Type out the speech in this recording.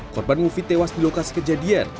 korban mufid tewas di lokasi kejadian